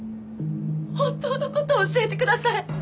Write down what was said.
本当の事を教えてください。